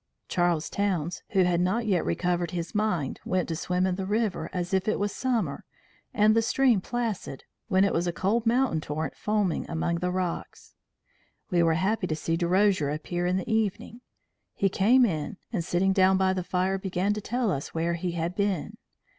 Charles Towns, who had not yet recovered his mind, went to swim in the river, as if it was summer, and the stream placid, when it was a cold mountain torrent foaming among the rocks. We were happy to see Derosier appear in the evening. He came in, and sitting down by the fire, began to tell us where he had been.